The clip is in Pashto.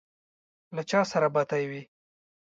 له چا سره بتۍ وې.